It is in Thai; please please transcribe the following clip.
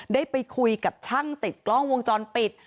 ได้ไปคุยกับช่างติดกล้องวงจรปิด